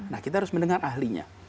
nah kita harus mendengar ahlinya